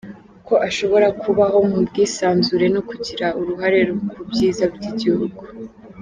ko ashobora kubaho mu bwisanzure no kugira uruhare ku byiza by’igihugu.